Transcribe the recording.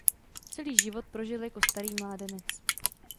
Celý život prožil jako starý mládenec.